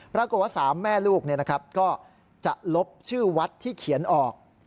ปรากฏว่า๓แม่ลูกก็จะลบชื่อวัดที่เขียนออก